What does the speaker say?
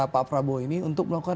pak prabowo ini untuk